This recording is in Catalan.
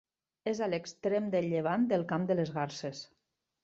És a l'extrem de llevant del Camp de les Garses.